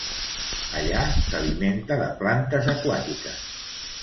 Allà s'alimenta de plantes aquàtiques.